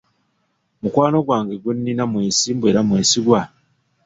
Mukwano gwange gwe nnina mwesimbu era mwesigwa?